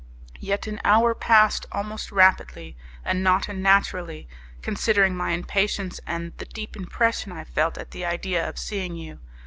Yet an hour passed almost rapidly, and not unnaturally, considering my impatience and the deep impression I felt at the idea of seeing you.